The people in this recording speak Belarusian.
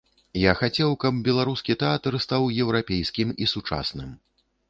Я хацеў, каб беларускі тэатр стаў еўрапейскім і сучасным.